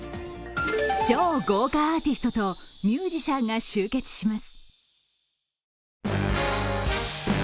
超豪華アーティストとミュージシャンが集結します。